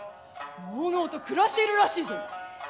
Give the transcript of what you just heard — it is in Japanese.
のうのうと暮らしているらしいぞ！